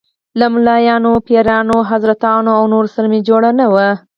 له ملايانو، پیرانو، حضرتانو او نورو سره مې جوړه نه وه.